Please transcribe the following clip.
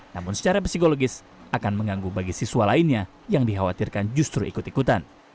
namun secara psikologis akan mengganggu bagi siswa lainnya yang dikhawatirkan justru ikut ikutan